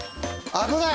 危ない！